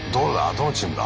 どのチームだ？